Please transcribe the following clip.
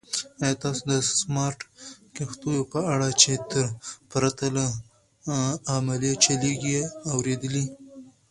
ایا تاسو د سمارټ کښتیو په اړه چې پرته له عملې چلیږي اورېدلي؟